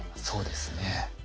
そうですね。